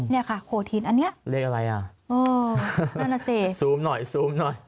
เนี่ยค่ะโขทินอันนี้เลขอะไรอ่ะเออนั่นน่ะสิซูมหน่อยซูมหน่อย